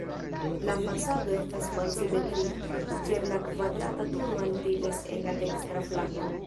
La fasado estas malsimetria, ĉar la kvadrata turo altiĝas en la dekstra flanko.